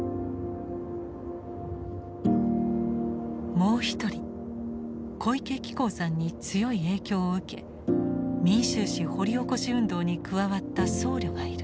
もう一人小池喜孝さんに強い影響を受け民衆史掘り起こし運動に加わった僧侶がいる。